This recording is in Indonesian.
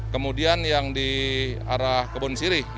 kemudian yang di arah kebun sirih